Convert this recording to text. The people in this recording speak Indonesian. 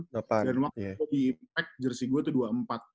dan waktu gue di impact jersi gue tuh dua puluh empat